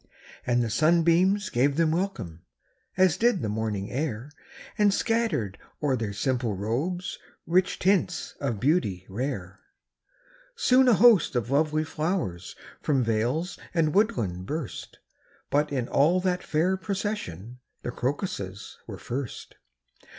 And the sunbeams gave them welcome. As did the morning air And scattered o'er their simple robes Rich tints of beauty rare. Soon a host of lovely flowers From vales and woodland burst; But in all that fair procession The crocuses were first.